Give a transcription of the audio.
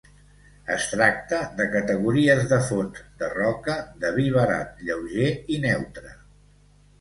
Es tracta de categories de fons de roca de vi barat, lleuger i neutre.